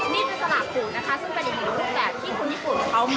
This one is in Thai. นี่เป็นสลากขูดนะคะซึ่งเป็นอย่างนี้